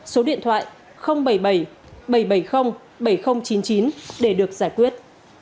số điện thoại bảy mươi bảy bảy trăm bảy mươi bảy nghìn chín mươi chín để được giải quyết